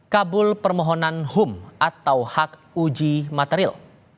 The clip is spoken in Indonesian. kabul permohonan hum atau hak uji material